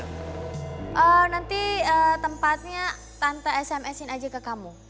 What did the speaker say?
eee nanti tempatnya tante sms in aja ke kamu